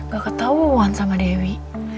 gak ketauan sama dewi